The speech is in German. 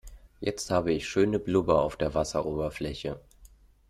Jetzt habe ich schöne Blubber auf der Wasseroberfläche.